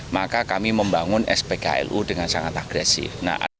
maka kami membangun spklu dengan sangat agresif